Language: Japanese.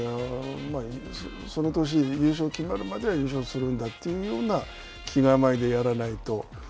その年、優勝決まるまでは優勝するんだという気構えでやらないと。